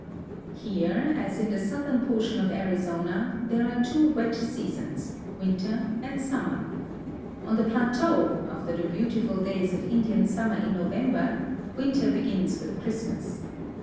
Here, as in the southern portion of Arizona, there are two wet seasons, winter and summer. On the plateau, after the beautiful da3^s of Indian summer in November, winter begins with Christ mas.